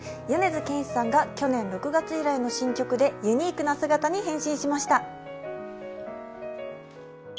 米津玄師さんが去年６月以来の新曲でユニークな姿に変身しました。